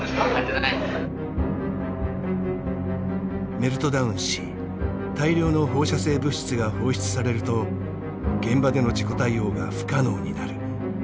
メルトダウンし大量の放射性物質が放出されると現場での事故対応が不可能になる。